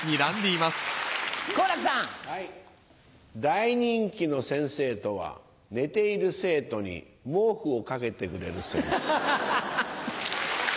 大人気の先生とは寝ている生徒に毛布をかけてくれる先生。